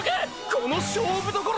この勝負どころで！！